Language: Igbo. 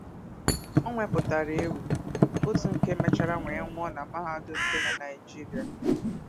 O wepụtara egwu, otu nke mechara wee wuo na mahadum dị na Naịjirịa.